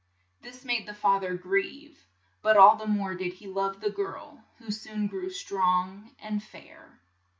This made the fa ther grieve, but all the more did he love the girl, who soon grew strong and fair.